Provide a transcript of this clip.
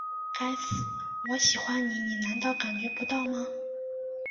该死，我喜不喜欢你难道你感觉不到吗?